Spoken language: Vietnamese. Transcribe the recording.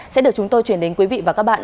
sẽ được chúng tôi chuyển đến quý vị và các bạn